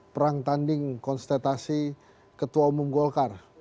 perang tanding konstetasi ketua umum golkar